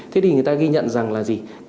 thế thì người ta ghi nhận rằng là gì